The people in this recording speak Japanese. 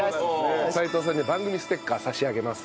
齋藤さんには番組ステッカー差し上げます。